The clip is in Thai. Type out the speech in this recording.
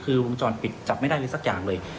คือวงจรปิดจับไม่ได้เลยสักอย่างเลย